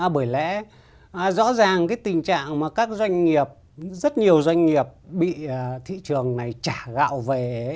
bởi lẽ rõ ràng cái tình trạng mà các doanh nghiệp rất nhiều doanh nghiệp bị thị trường này trả gạo về